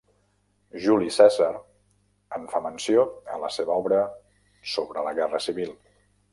Juli Cèsar en fa menció a la seva obra sobre la guerra civil.